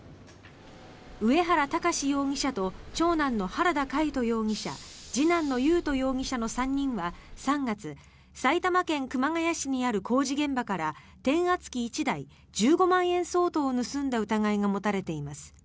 上原巌容疑者と長男の原田魁斗容疑者次男の優斗容疑者の３人は３月埼玉県熊谷市にある工事現場から転圧機１台、１５万円相当を盗んだ疑いが持たれています。